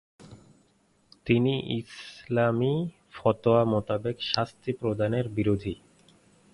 তিনি ইসলামী ফতোয়া মোতাবেক শাস্তি প্রদানের বিরোধী।